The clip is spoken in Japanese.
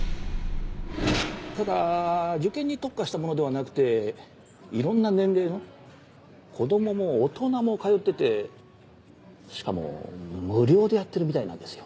ただ受験に特化したものではなくていろんな年齢の子供も大人も通っててしかも無料でやってるみたいなんですよ。